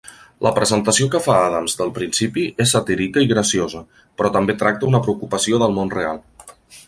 La presentació que fa Adams del principi és satírica i graciosa, però també tracta una preocupació del món real.